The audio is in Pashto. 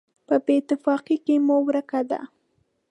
په بېاتفاقۍ کې مو ورکه ده.